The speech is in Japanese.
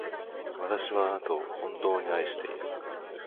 私はあなたを、本当に愛している。